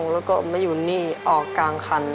แล้วก็มาอยู่นี่ออกกลางคัน